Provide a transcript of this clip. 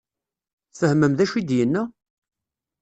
Tfehmem d acu i d-yenna?